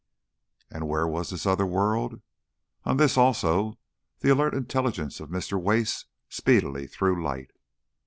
And where was this other world? On this, also, the alert intelligence of Mr. Wace speedily threw light.